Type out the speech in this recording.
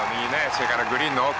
それからグリーンの奥。